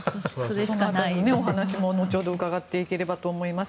その話も後ほど伺っていきたいと思います。